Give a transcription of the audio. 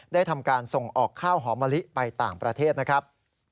ได้ทำการส่งออกข้าวหอมะลิไปต่างประเทศนะครับ